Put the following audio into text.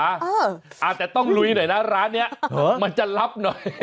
อาจจะต้องลุยหน่อยนะร้านนี้มันจะลับหน่อย